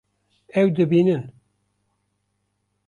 Ew dibînin